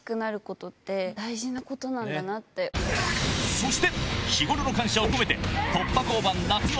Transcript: そして日頃の感謝を込めて見抜けるか？